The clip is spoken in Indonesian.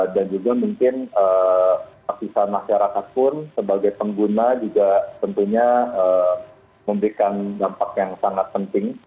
dan juga mungkin aktifan masyarakat pun sebagai pengguna juga tentunya memberikan dampak yang sangat penting